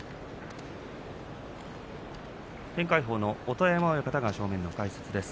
天鎧鵬の音羽山親方が正面解説です。